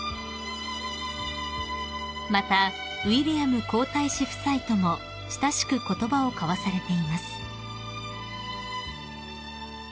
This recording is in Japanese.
［またウィリアム皇太子夫妻とも親しく言葉を交わされています］